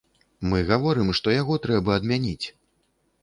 Мы гаворым, што яго трэба адмяніць.